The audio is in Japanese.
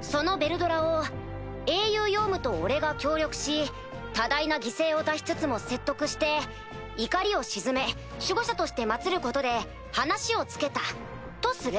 そのヴェルドラを英雄ヨウムと俺が協力し多大な犠牲を出しつつも説得して怒りを静め守護者としてまつることで話をつけたとする。